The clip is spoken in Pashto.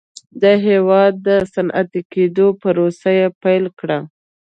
د هېواد د صنعتي کېدو پروسه یې پیل کړه.